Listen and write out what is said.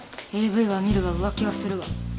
ＡＶは見るわ浮気はするわ。